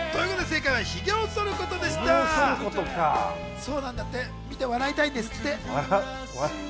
そうなんだって、見て笑いたいんだって。